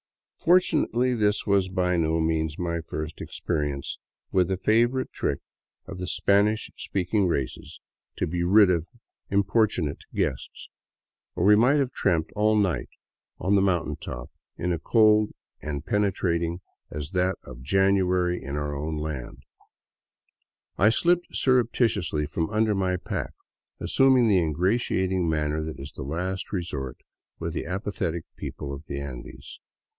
Fortunately this was by no means my first experience with the favorite trick of Spanish speaking races to be S8 FROM BOGOTA OVER THE QUINDIO rid of importunate guests, or we might have tramped all night on the mountain top in a cold as penetrating as that of January in our own land. I slipped surreptitiously from under my pack, assuming the ingratiating manner that is the last resort with the apathetic people of the Andes.